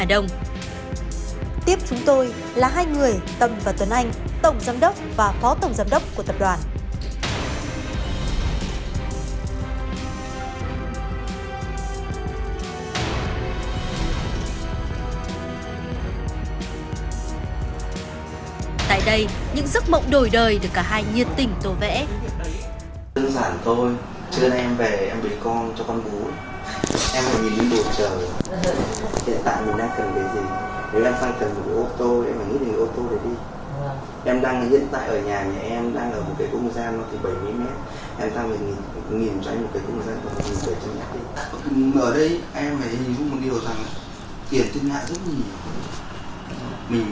một cái không gian tự nhiên ở đây em phải nhìn xuống một điều rằng tiền tương lai rất nhiều mình